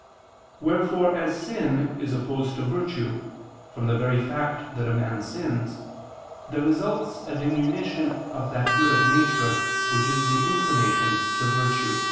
Wherefore as sin is opposed to virtue, from the very fact that a man sins, there results a diminution of that good of nature, which is the inclination to virtue.